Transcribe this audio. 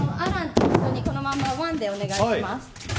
このままお願いします。